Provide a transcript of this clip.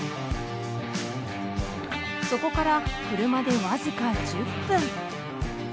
そこから車で僅か１０分。